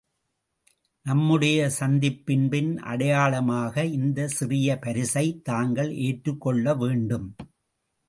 நம்முடைய சந்திப்பின் அடையாளமாக இந்தச் சிறிய பரிசைத் தாங்கள் ஏற்றுக் கொள்ளவேண்டும்.